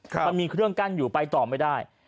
มันมีเครื่องกั้นอยู่ไปต่อไม่ได้